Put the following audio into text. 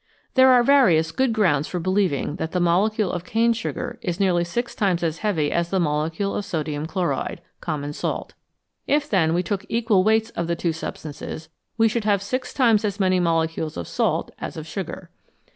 There are various good grounds for believing that the molecule of cane sugar is nearly six times as heavy as the molecule of sodium chloride (common salt). If, then, we took equal weights of the two substances, we should have six times as many molecules of salt as of sugar.